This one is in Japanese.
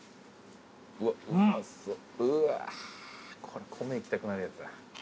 これ米いきたくなるやつだ。